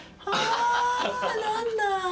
はなんだ。